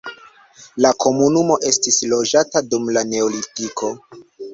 La komunumo estis loĝata dum la neolitiko.